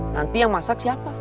nanti yang masak siapa